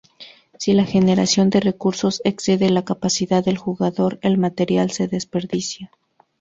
Si la generación de recursos excede la capacidad del jugador, el material se desperdicia.